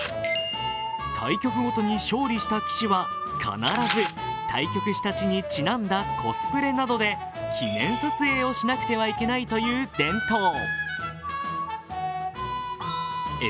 対局ごとに勝利した棋士は必ず対局した地にちなんだコスプレなどで記念写真しなければいけないという伝統。